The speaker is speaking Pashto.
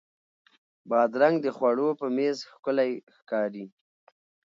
بادرنګ د خوړو په میز ښکلی ښکاري.